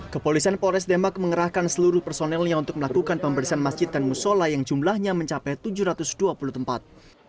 kepolisian polres demak mengerahkan seluruh personelnya untuk melakukan pembersihan masjid dan musola yang jumlahnya mencapai tujuh ratus dua puluh tempat